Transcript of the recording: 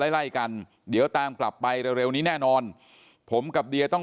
ไล่ไล่กันเดี๋ยวตามกลับไปเร็วนี้แน่นอนผมกับเดียต้อง